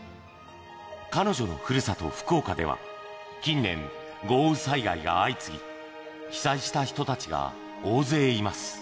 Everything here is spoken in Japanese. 彼女のふるさと、福岡では、近年、豪雨災害が相次ぎ、被災した人たちが大勢います。